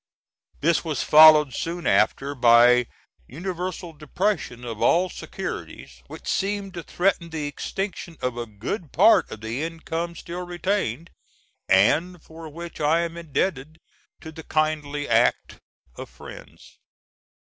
This was followed soon after by universal depression of all securities, which seemed to threaten the extinction of a good part of the income still retained, and for which I am indebted to the kindly act of friends.